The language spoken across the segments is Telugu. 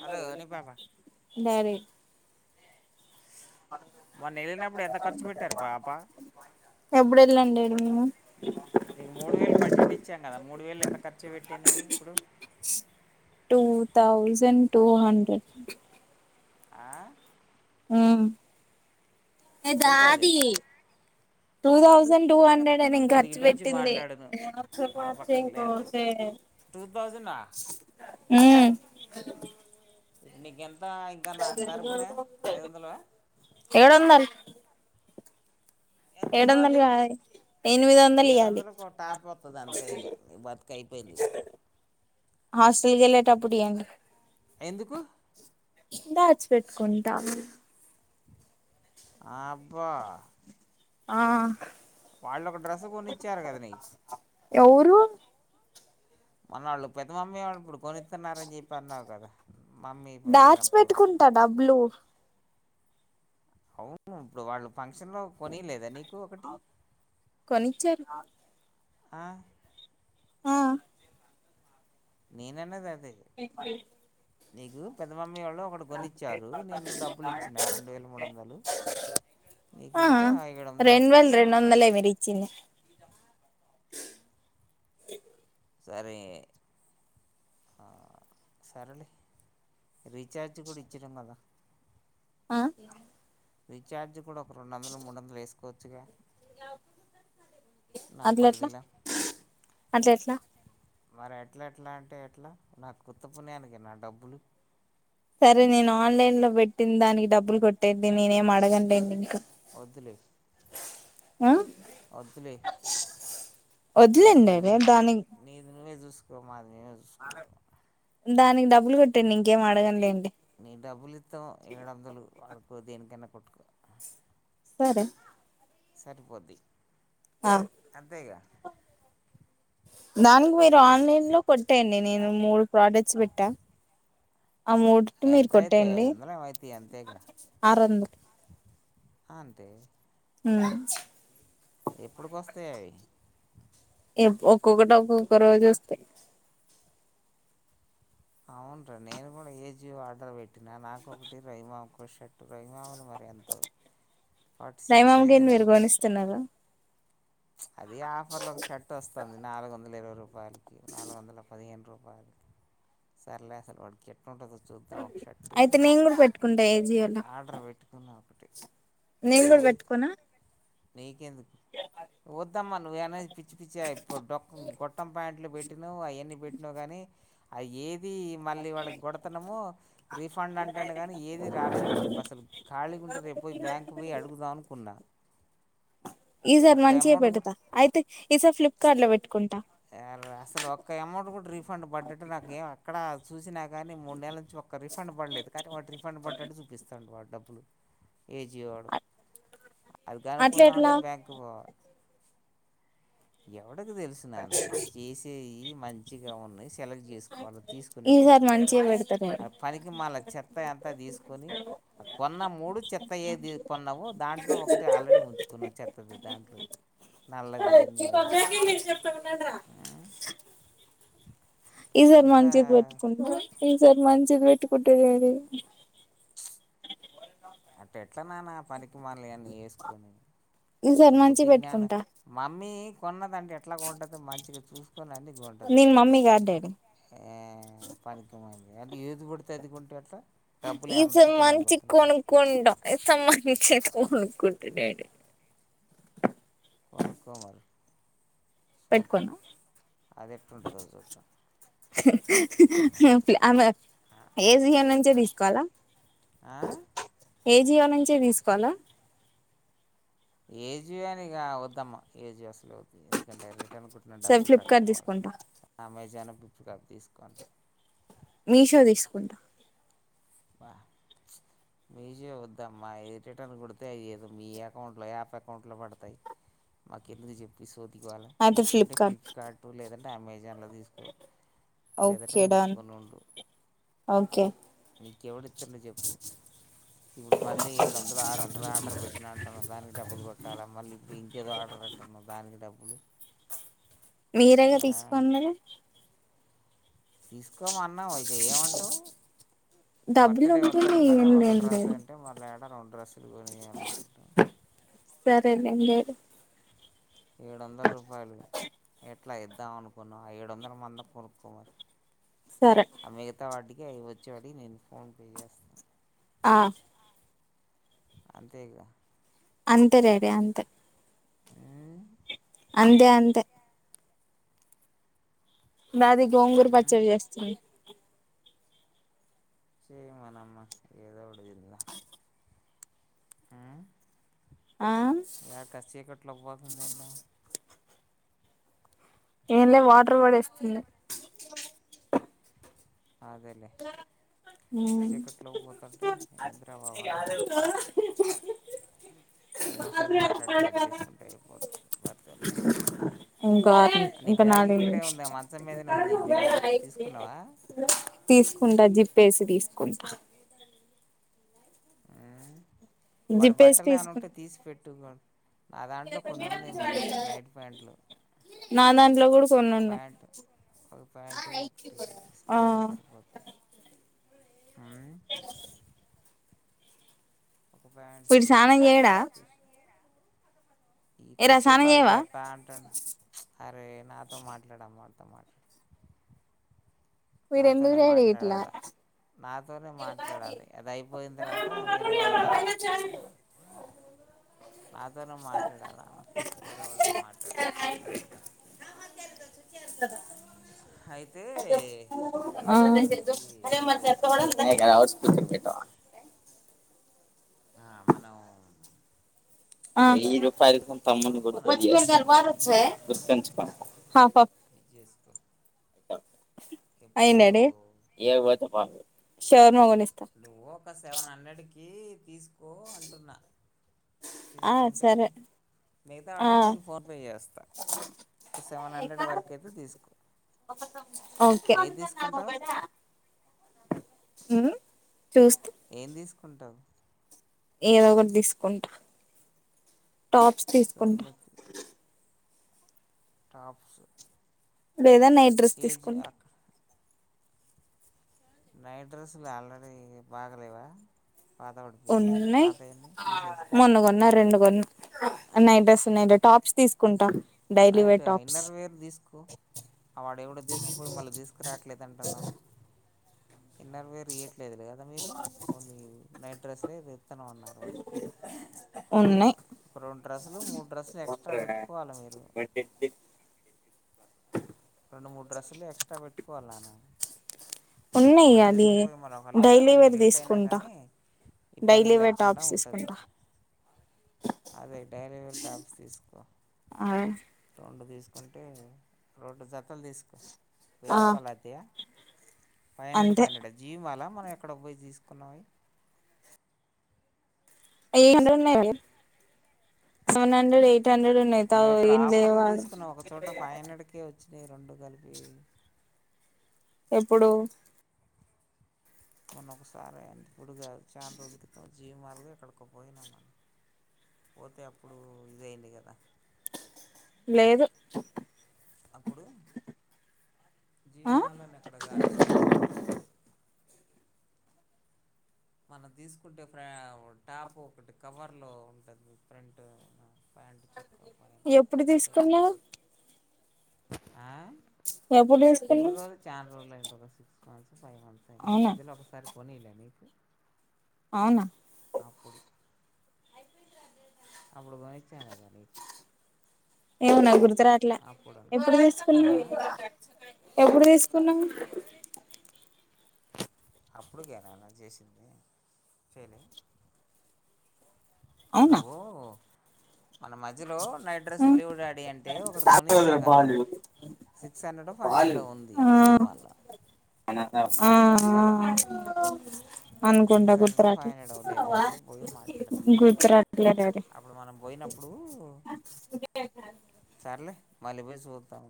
ఉన్నది హలో కదా అని నీకు పాప డాడీ మొన్న వెళ్ళినప్పుడు ఎంత ఖర్చు పెట్టారు పాప ఎప్పుడు వెళ్ళండి ఎమో నీకు మూడు వేలు బడ్జెట్ ఇచ్చాము కదా మూడు వేలు ఎంత ఖర్చు పెట్టటినవు ఇప్పుడు టూ థౌజండ్ టూ హండ్రెడ్ ఆ ఆ టూ ఎదాది థౌజండా టూ తౌసండ్ టూ హండ్రెడ్ నేను ఇం కొద్దిగా ఖర్చు ఇటు వచ్చి పెట్టింది మాట్లాడును ఆడ పక్కన లేకు ఇంకోసే టూ థౌజండా అ నీకెన్ వందలు ఏడు వందల ఎంత వందలు ఇవ్వాలి కాదు ఎనిమిది వందలు ఏడు ఇయ్యాలి వందలకులకు టాప్ వతుంది అంతే ఇక బతుక అయిపోయింది ఇక హాస్టల్ కి వెళ్ళేటప్పుడు ఇయ్యండి ఎందుకు దాచి పెట్టుకుంటా ఆబ్బా ఆ కొనిచ్చారు కదా నీకు ఎవరు మన వాళ్ళు పెద్ద అమ్మేళ్ళు ఇప్పుడు కొనితన్నరూ అనిచెప్పన్నావు కదా మమ్మీ దాచి ఇదినప్పుడు పెట్టుకుంటా డబ్బులు అవును ఇప్పుడు వాళ్ళు ఫంక్షన్ లో కొనీలేద నీకు ఒకటి కొనిచ్చారు ఆ ఆ నేనన్నది అదే [inaudible] [unintelligible] నీకు పెద్దమమ్ లూ ఒక కొనిచ్చారు నేను డబ్బులు ఇచ్చిన ఆ రెండు వేల మూడు వందలు నీకు ఆ ఇంకా ఐదు వందలు రెండు వస్తాయి వేలు ఇ సరే ఆ సరేలే రీఛార్జ్ కూడా ఇచ్చడం కదా ఆ రీఛార్జ్ కూడా ఒక రరొండు వందలు మూడు వందలు వేసుకోవచ్చుగా నా అట్ల ఎట్లా పరిధిలో అట్ల ఎట్లా మరి ఎట్లా ఎట్లా అంటే ఎట్లా నా ఉత్త పుణ్యానికి నా డబ్బులు సరే నేను ఆన్లైన్ లో పెట్టిన దానికి డబ్బులు కొట్టేది నేనేం అడగనలేదు ఇకు వదులే ఆ వద్దులే నీది వద్దులేండి అదే నువ్వే చూసు దానికి నీది నువ్వే చూసుకో రూ మాది నేనే చూసుకుంటా దానికి డబ్బులు కొట్టండి ఇంకేం అడగడంలేండి నీ డబ్బులు ఇత్తం ఏడు వందలు వాడు దేనికన్నా కొట్టుకో సరే సరిపోద్ది ఆ అంతేేకా దానికి మీరు ఆన్లైన్ లో కొట్టయండి నేను మూడు ప్రోడక్ట్స్ పెట్టా ఆ మూడి మీరు ఎంత అయితాయి కొట్టేయండి ఐదు వందలు ఏమో అయితాయి ఆరు వంద అంతే మ్మ్ ఎప్పుడిక వస్తాయి అవి ఎప్ ఒక్కొక్కటి ఒక్కొక్క రోజు వస్తాయి అవునరా నేను కూడా ఏ జియో ఆర్డర్ పెట్టినా నాకొకటి రొహిమాకు షర్ట్ రొహిమాది మరి ఎంతో ఫార్టీ సిక్స్ రైమామ కి సైజ్ అని మీరు పెట్టేసిన గోనిస్తున్నారా అది ఆఫర్ లో ఒక షర్ట్ వస్తది నాలుగు వందలు అందుల ఇవై రూపాయకి నాలుగు వందల పదిహేను రూపాయ సర్లేసలు ఒటికెట్ అంటంది చూద్దా ఒక షర్ట్ అయితే నేను కూడా పెట్టుకుంటా ఆర్డర్ పెట్టుకున్నా ఒకటి నెంగుడా పెట్కొన నీక ఎందుకు వద్దామ్మా నువ్్వేనేది పిచ్చి పిచ్చిడొ గొట్టం పాయింట్లో పెట్టినా్ అవన్నీ పెట్టినావు కానీ అవి ఏది ఇది మళ్ళీ వాళ్ళకి కొడతున్నామో రీఫండ్ అంటాం కానీ ఏదిీ రాలేదు రేపు అసలు ఖాళీగా ఉంటే రేపు పోయి బ్యాంకు పోయి అడుగుదాం అనుకున్నా ఈసారి ఒక్క మంచి అమౌంట్ కూడా పెడతా అయితే ఈసా ఫ్లిప్కార్ట్ లో పెట్టుకుంటా సర అసలు ఒక్క అమౌంట్ కూడా రీఫండ్ పడ్డట్టు నాకు ఏం ఎక్కడ ఆ సూసినాక్ కానీ మూడు నెల నుంచి ఒక్క రిఫండ్ పడలేదు కానీ వాటి రిఫండ్ పడ్డాడు చూపిస్తాం వా డబ్బు ఏజీవాడు అది అట్ల ఎట్లా కనుకుందాంమంటే బ్యాంక్ పోవాలి య ఎవడకి తెలుసు నాను చేసేయి మంచిగా ఉన్నాయి చెలక్ చేసుకోవాలి తీసుకునేటటు ఈసారి ఉంటాయి మంచిగా పెడతలేరు ఆ పనికి మాళ్ళ చెత్త యం చెత్త తీసుకొని కొన్న మూడు చెత్త ఏది కొన్నావుో దాంట్లో ఒకటి ఆల్రెడీ ఉంచుకున్నా చెత్తది దాంట్లో నాల్ ఇ పక్క కి మీ చే ప్ప మ్మన్నద ఆ ఈసారి మంచిది పెట్టుకుంట ఈ సార్ మంచిది పెట్టుకుంట డాడి అట్టే ఎట్లా నానా పనికి మాల్న్య్ అన్నీ వేసుకని ఈసారి ఒక బుద్ధి మంచిది జ్ఞాన పెట్టుకుంటా మమ్మీ కో న్ ంటే ఎట్లా గొంటది మంచిగా చూసుకొని అన్ని గొంటది నేను మమ్మీ కాదు డాడీ ఆ పనికిమాన్యి అది ఏది పడితే అది కొంటే ఎట్లా డబ్బులు ఈ ఏమన్నా సార్ పని మంచి అనుకోతుంది కొను కుంట ఈ సార్ మంచిది కొన్నుకుంట డాడీ కొనుక్కో మరి చూద్దాం పెట్ట్కొన అది ఎట్టుంటుందో చూద్దాం ఆమ ఏజియో నుంచే తీసుకోవాల ఆ ఏజియో నుం చ్చే తీసుకోవాలా ఏజియో అని కా వద్దమ్మా ఏజియో అస్సలే వద్దు ఎందుకంటే రె టర్న్ కోట్న సరే డబ్బులు ఫ్లిప్కార్ట్ రట్టపోవాలి తీసుకుంటా అమెజాన్ ఫ్లిప్ కార్ట్ తీసుకోండి మీషో తీసుకుంటా వా మీష వద్దా మా రిటర్న్ కొడితే ఏదో మీ అకౌంట్ లో యాప్ అకౌంట్ లో పడతాయి మాకు ఎందుకు చెప్పి ఈ సో గోల తీసుకుంటే ఫ్లిప్కార్ట్ లేదం అమెజాన్ లో తీసుకో లేదంటే ఓకే డన్ మూసుకో నుండు ఓకే ఎవడు ఇత్తుండు చెప్పు ఇప్పుడు మళ్ళీ ఏడు వందలు ఆరు వందలు ఆర్డర్ పెట్టినా అంటాను దానికి డబ్బులు కొట్టాలా మళ్ళీ ఇప్పుడు ఇంకేదో ఆర్డర్ పెట్టను దానికి డబ్బులు మీరేగా ఆ తీసుకో అన్నరు తీసుకోమన్నా ఇక ఏమంటావు డబ్బులు బర్త్ డే ఉంటుంది వస్తుండి కదా ఒక డ్రస్ ఏంటంటి మళ్ళీ [unintelligible] కొనియాలనుకుంటాం సరే ఎరు ఏడు వందల రూపాయలు ఎట్లా ఇద్దాం అనుకున్నాం ఆ ఏడు వందల మంది కొనుక్కోమరి సరే అంత వాటికి అవి వచ్చేవాడికి నేను ఫోన్పే చేస్తాను ఆ అంతేగా అంతే రెడిీ అంతే ఉమ్ అంతే అంతే దాదికి ఒంగూర్ ఉమ్ పచ్చడి చేస్తని చేయ మనమ్మ ఏదో ఉడుదుంద ఆ ఆ డకిీకట్లో పోతుంద ఏంటడి ఏంలే వాటర్ పడిస్తుంది అదేలే ఉమ్ చీకట్లో పోతుంటే ఏంద్రా బాబు అనుకున్నా పది నిమిషాలు మాట్లాడి కట్ చేసుకుంటే పడుతు పంది ఇంకా అంే ఈ ఇంకా బ్యాగ్ నాది ఇక్కడే ఉంది మంచం మీదనే ఉంది ఈ బ్యాగు్ తీసుకున్నావా తీసుకుంటా జిప్ప వేసి తీసుకుంటా వాడు జిప్పేసి బట్టలుని ఉంటే తీసుకుంటా తీసి పెెట్టు నా దాంట్లో కొన్ని ఉన్నాయి మరి నైట్ ప్యాంట్లు నా దాంట్లో కూడా కొన్ని ఉన్నాయి ప్యాంటు అది ప్యాంటు ఒకటి ఆ ఇసుకుంటే సరిపోతుంది అ ఒక ప్యాంటు వీడు స్నానం ఒక చేయడా షర్ట్ ఈ ఏరా కోసే స్నానం చేయవా పజే ప్యాంట్ అరే నాతో మాట్లాడమ్మా వాడితో మాట్లాడ వీడు ఎందుకు నాతోనే డాడీ ఇట్లా మాట్లాడాల నాతోనే మాట్లాడాలి అది అయిపోయిన తర్వాత వేరేమంట నాతోనే మాట్లాడాలను వేరే వాళ్ళతో మాట్లాడదు అయితే ఏంటి పరిస్థితి ఏదో చెప్దాం అనుకుంటున్నా నీకు ఆ ఆ మనం ఆ పమ్ కొనుక్కో గుర్ంచ నాన్న తీసుకో తీసుకొని ఇది చేసుకో ఎప్పుడు అయినడి ఏ షర్ మగునే వ్ ఒక సెవెన్ హండ్రెడ్ కి తీసు అంటున్నా ఆ తీసుకుంటే సరే మిగతా ఆ వాటికి నేను ఫోన్పే చేస్తా. ఒక సెవెన్ హండ్రెడ్ వరకు అయితే తీసుకో ఓకే ఏది తీసుకుంటావు. ఉమ్ చూస్. ఏం తీసుకుంటావు. ఏదో ఒకటి తీసుకుంటా. టాప్స్ తీసుకుంటా. సర్లే టాప్స్. లేదా నైట్ డ్రెస్ ఏజ్ తీసుకుంటా. అక్కడ నైట్ డ్రెస్సులు ఆల్రెడీ బాగలేవా. పాత పడిపోయినాయ ఉన్నాయి పాతయన్ని తీసేసై మొన్న కొన్నా రెండు నైట్ డెస్ ఉన్నాయి టాప్స్. తీసుకుంటా daily night wear tops inner wear తీసుకో వాడు ఎవడో తీసుకుపోయి మళ్ళీ తీసుకురాట్లేదు అంటున్నావు. ఇన్నర్ వేర్ ఎట్. లేదులే కదా మరి మీరు ఓన్లీ నైట్. డ్రెస్ వేర్ లేదు. ఉన్నాయి ఒక రెండు డ్రెస్సులు మూడు డ్రస్సులు ఎక్స్ట్రా పెట్టు. పోవాలాన మీరు. నువ్వు మూడు డ్రెస్సులు ఎక్స్ట్రా పెట్టుకోవాలనా. ఉన్నాయి ఒకటి అది తీసుకుపోయి మరి ఒకటి డైలీ లేకపోయినా వేర్ లేట్ అయినా తీసుకుంటా కానీ ఇబ్బంది డైలీ వేర్ లేకుండా టాప్స్ ఉంటది. తీసుకుంటా అదే డైలివేర్ టాప్స్ తీసుకో ఆ రెండు తీసు. అంటే రెండు జతలు తీసుకో. వెయ్యి ఆ రూపాయలు అయితయా. ఫైవ్ హంరెడ్ ఫైవ్ అంతే హంరెడ్ జీ మాల. మనం ఎక్కడో పోయి తీసుకున్నామవి. ఎయిట్ హండ్రెడ్ ఉన్నావి సెవెన్ హండ్రెడ్ ఎయిట్. హండ్రెడ్ ఉన్నాయి త మనం ఎక్కడ ఏం ఆఫర్లు లేవాడ తీసుకున్నాం. ఒక చోట ఫైవ్ హండ్రెడ్ కి వచ్చినయి రెండు కలిపి. ఎప్పుడు మొన్న ఒకసారి ఇప్పుడు కాదు చాలా రోజుల క్రితం జీవమాలుగా ఎక్కడికి పోయినాం పోతే అప్పుడు ఇదయింది కదా. లేదు. అప్పుడు. ఆ జీవుమల్ అని అక్కడగాలే మనం తీసుకుంటే టాప్ ఒకటి కవర్ లో ఉంటది ప్రెంట్. ప్యాంటు చొక్కపోయినా ఎప్పుడు టీషర్ట్ తీసుకున్నావు లాగా. ఆ ఎప్పుడు ఇప్పుడు తీసుకున్నావ్. కాదు చాలా రోజులు అయింది ఒక సిక్స్ వన్స్ ఫైవ్ మంత్స్ అయింద, మధ్యలో ఒకసారి కొనీలే నీకు అవునా ఆప్పుడు అప్పుడు గునిచ్చేన కదా నీ ఏవో నాక్ గుర్తు రావట్లా, ఎప్పుడు తీసుకున్నాం, ఎప్పుడు తీసుకున్నాం. అప్పుడుకేనానా చేసింది. చేయలే అవున్నా నువ్వు మన మజ్యిలో నైట్ డ్రెస్లు లేవ్ డాడీ అం తే ఒకటు గోనిచ్చాం కదా, సిక్స్ హండ్రెడ్, ఫైవ్ హండ్రెడ్ ఉంది. సీమార్లా మనద్యావ్ ఆ ఆ ప్చ్ అనుకుంట సిక్స్ హండ్రెడో గుర్తురాట్లే, ఫైవ్ హండ్రెడో లేదు అప్పుడు పోయి మాట్లాడదాం గుర్తురట్లేదే అది అప్పుడు మనం పోయినప్పుడు సర్లే మళ్ళీవోయి చూద్దాం.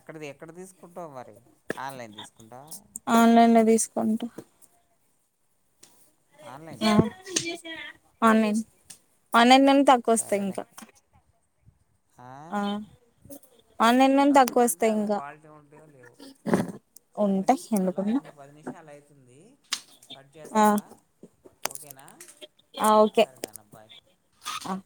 అక్కడది ఎక్కడ దీసుకుంటావు. మర్ ఆన్లైన్ లో దీస్ కొంటా ఆన్లైన్ న్యావ్ ఆన్లైన్ ఆన్లైన్నే ఇంకాక్కు వస్తాయి. సరేలే ఇంకా ఆ ఆన్లైన్ లోనే తక్కువ అంటే వస్తాయి అవి ఇంకా క్వాలిటీ ఉంటయో, లేవో సర్లే ఉంటాయి ఒకలా, ఎందుకుండవ్ ఇప్పుడు పది నిమిషాలు అయితుందీ. కట్ ఆ జేస్తా ఒక్ ఓకేనా ఆ ఓకే సరే నాన్న బాయ్ ఆ